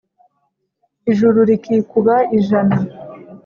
Ijuru rikikuba ijana